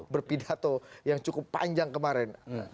berpidato yang cukup panjang kemarin